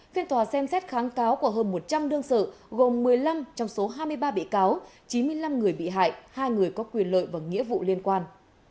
phiên tòa xem xét kháng cáo của hơn một trăm linh đương sự gồm một mươi năm trong số hai mươi ba bị cáo chín mươi năm người bị hại hai người có quyền lợi và nghĩa vụ liên quan